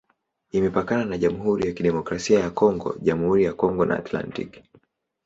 Imepakana na Jamhuri ya Kidemokrasia ya Kongo, Jamhuri ya Kongo na Atlantiki.